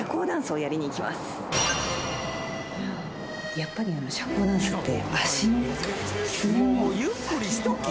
やっぱり社交ダンスって。